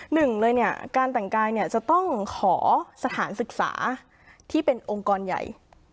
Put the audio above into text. หนึ่งเลยเนี่ยการแต่งกายเนี่ยจะต้องขอสถานศึกษาที่เป็นองค์กรใหญ่